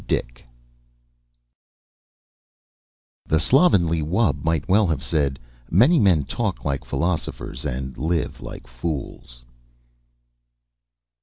DICK _The slovenly wub might well have said: Many men talk like philosophers and live like fools.